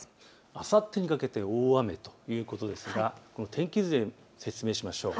あさってにかけて大雨ということですが、天気図で説明しましょう。